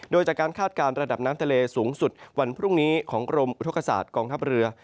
โดยจากการคาดการณ์ระดับน้ำทะเลสูงสุดวันพรุ่งนี้ของกรมอุทธกษาตกองทัพเรือ